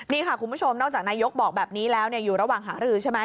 นี่ค่ะคุณผู้ชมนอกจากนายกบอกแบบนี้แล้วอยู่ระหว่างหารือใช่ไหม